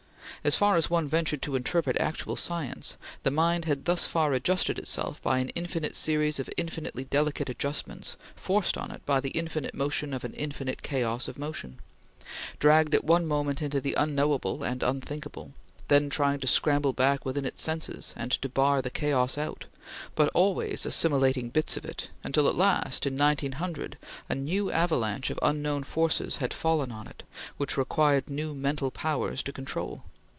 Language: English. As far as one ventured to interpret actual science, the mind had thus far adjusted itself by an infinite series of infinitely delicate adjustments forced on it by the infinite motion of an infinite chaos of motion; dragged at one moment into the unknowable and unthinkable, then trying to scramble back within its senses and to bar the chaos out, but always assimilating bits of it, until at last, in 1900, a new avalanche of unknown forces had fallen on it, which required new mental powers to control.